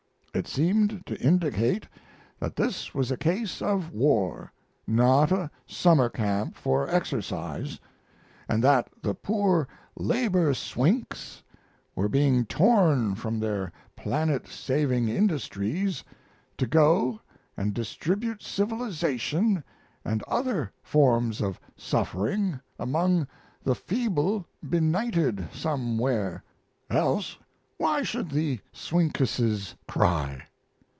It seemed to indicate that this was a case of war, not a summer camp for exercise, and that the poor labor swinks were being torn from their planet saving industries to go and distribute civilization and other forms of suffering among the feeble benighted somewhere; else why should the swinkesses cry?